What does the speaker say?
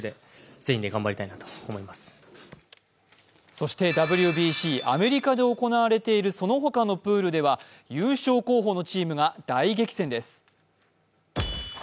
そしてＷＢＣ、アメリカで行われているそのほかのプールでは優勝候補のチームが大激戦です。